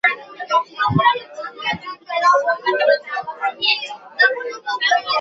ওই মাইগ্রেশনের ফলে খুব দ্রুত বাংলাদেশের শহরাঞ্চলে জনসংখ্যা বৃদ্ধি পাবে।